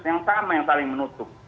yang sama yang saling menutup